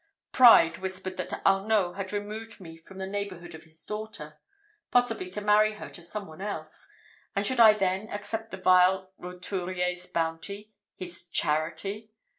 Pride whispered that Arnault had removed me from the neighbourhood of his daughter, possibly to marry her to some one else; and should I then, accept the vile roturier's bounty his charity!